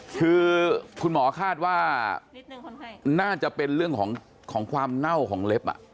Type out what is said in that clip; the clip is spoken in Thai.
คือคุณหมอคาดว่าน่าจะเป็นเรื่องของความเน่าของเล็บ